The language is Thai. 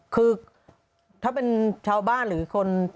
คือถ้าเป็นชาวบ้านหรือคน